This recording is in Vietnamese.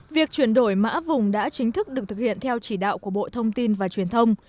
việc chuyển đổi mã vùng đã chính thức được thực hiện theo chỉ đạo của bộ thông tin và truyền thông